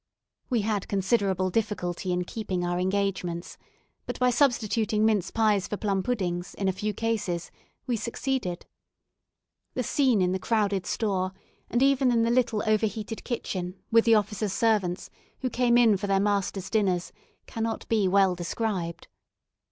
We had considerable difficulty in keeping our engagements, but by substituting mince pies for plum puddings, in a few cases, we succeeded. The scene in the crowded store, and even in the little over heated kitchen, with the officers' servants, who came in for their masters' dinners, cannot well be described.